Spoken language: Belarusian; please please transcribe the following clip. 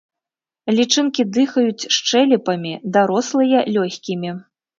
Лічынкі дыхаюць шчэлепамі, дарослыя лёгкімі.